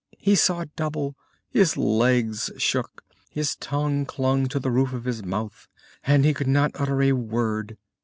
He saw double; his legs shook; his tongue clung to the roof of his mouth, and he could not utter a word.